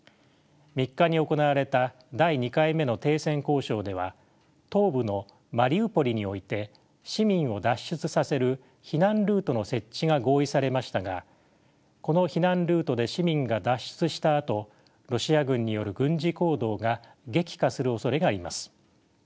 ３日に行われた第２回目の停戦交渉では東部のマリウポリにおいて市民を脱出させる避難ルートの設置が合意されましたがこの避難ルートで市民が脱出したあとロシア軍による軍事行動が激化するおそれがあります。